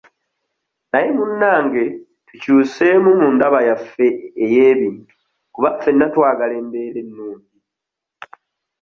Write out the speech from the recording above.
Naye munnange tukyuseemu mu ndaba yaffe ey'ebintu kuba ffena twagala embeera ennungi.